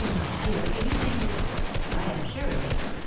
my dear, can you think it — I am sure of it